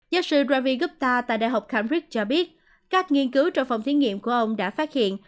giáo sư ravi gupta tại đại học cambridge cho biết các nghiên cứu trong phòng thiên nghiệm của ông đã phát hiện